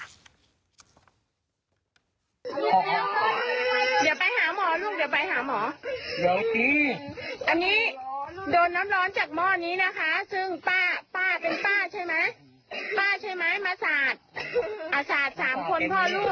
ไอ้หอส่วนด้วยสิ